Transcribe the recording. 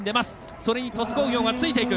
それに鳥栖工業がついていく。